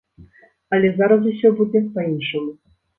Але зараз усё будзе па-іншаму.